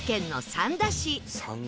三田市。